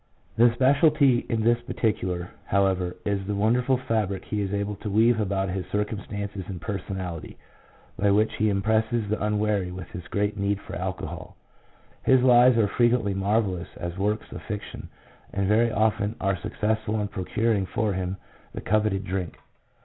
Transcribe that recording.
His speciality in this particular, however, is the wonderful fabric he is able to weave about his circum stances and personality, by which he impresses the unwary with his great need for alcohol. His lies are frequently marvellous as works of fiction, and very often are successful in procuring for him the coveted drink.